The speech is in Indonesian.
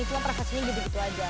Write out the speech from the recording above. cuma prosesnya gitu gitu aja